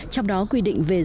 trong đó quy định về dự án